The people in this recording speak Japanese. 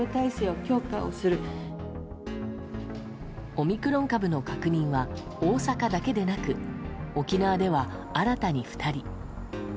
オミクロン株の確認は大阪だけでなく沖縄では、新たに２人。